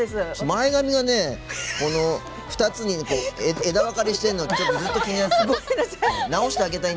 前髪が２つに枝分かれしてるのずっと気になってた。